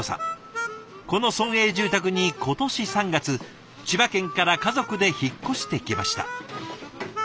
この村営住宅に今年３月千葉県から家族で引っ越してきました。